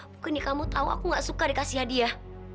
bukannya kamu tau aku gak suka dikasih hadiah